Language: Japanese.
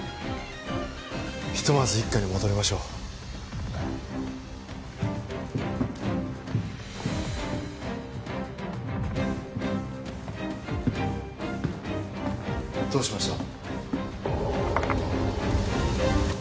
ひとまず一課に戻りましょうああどうしました？